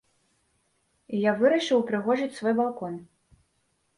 І я вырашыў упрыгожыць свой балкон.